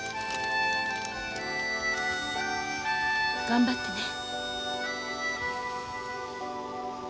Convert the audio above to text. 頑張ってね。